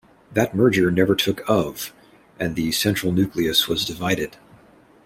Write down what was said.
That merger never took of, and the Central Nucleus was divided.